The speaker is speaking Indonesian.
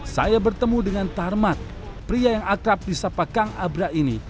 saya bertemu dengan tarmat pria yang akrab di sapa kang abra ini